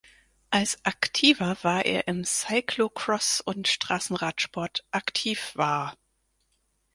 Als Aktiver war er im Cyclocross und Straßenradsport aktiv war.